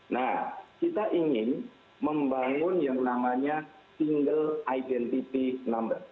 nah kita ingin membangun yang namanya single identity number